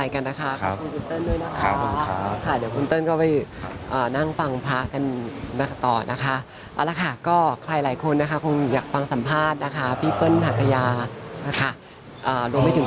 ความที่จะลุยงานถ้าเห็นภาวะจิตใจอาจจะมีบ้าง